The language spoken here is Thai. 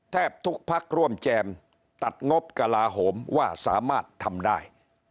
แทบทุกพักร่วมแจมตัดงบกระลาโหมว่าสามารถทำได้